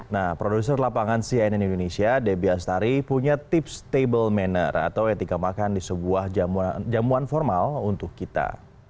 nah produser lapangan cnn indonesia debbie astari punya tips stable manner atau etika makan di sebuah jamuan formal untuk kita